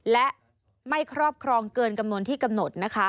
และไม่ครอบครองเกินกำหนดที่กำหนด